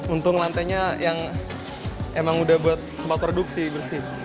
untung lantainya yang emang udah buat tempat produksi bersih